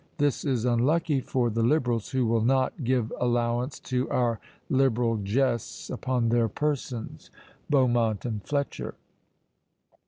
This is unlucky for the liberals, who will not Give allowance to our liberal jests Upon their persons BEAUMONT AND FLETCHER.